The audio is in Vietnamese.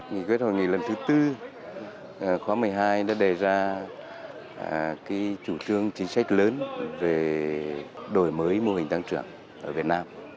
nghị quyết hội nghị lần thứ tư khóa một mươi hai đã đề ra chủ trương chính sách lớn về đổi mới mô hình tăng trưởng ở việt nam